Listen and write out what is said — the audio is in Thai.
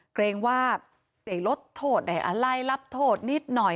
เกรงว่าเตะรถโทษอะไรรับโทษนิดหน่อย